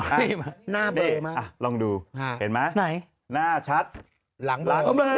อ่ะนี่มาหน้าเบอร์มาลองดูเห็นมั้ยหน้าชัดหลังเบอร์